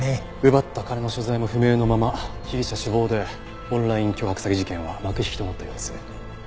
奪った金の所在も不明のまま被疑者死亡でオンライン巨額詐欺事件は幕引きとなったようです。